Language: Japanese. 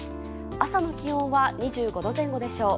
朝の気温は２５度前後でしょう。